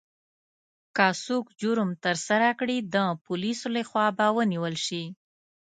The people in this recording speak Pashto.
که څوک جرم ترسره کړي، د پولیسو لخوا به ونیول شي.